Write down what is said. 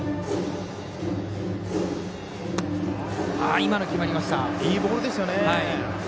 今のいいボールですよね。